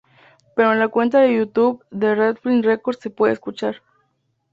Pero en la cuenta de Youtube de Redfield Records se puede escuchar.